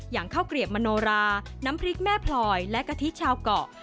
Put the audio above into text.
อย่างข้าวเกลียบมโนราน้ำพริกแม่พลอยและกะทิชาวเกาะ